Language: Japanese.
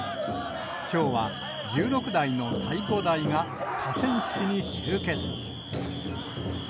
きょうは１６台の太鼓台が河川敷に集結。